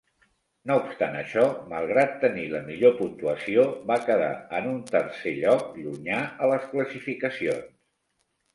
No obstant això, malgrat tenir la millor puntuació, va quedar en un tercer lloc llunyà a les classificacions.